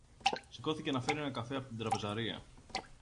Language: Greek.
Σηκώθηκε να φέρει έναν καφέ από την τραπεζαρία